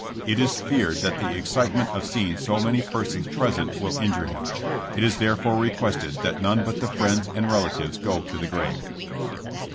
It is feared 108 JKSSS JAMES. that the excitement of seeing so many persons present will injure him. It is therefore requested that none but the friends and relatives go to the grave.